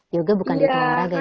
yoga bukan diet olahraga ya